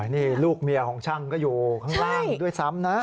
นี่ลูกเมียของช่างก็อยู่ข้างล่างด้วยซ้ำนะ